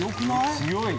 強い。